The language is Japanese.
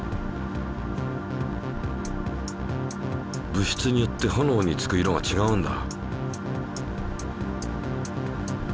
物質によって炎につく色がちがうんだ。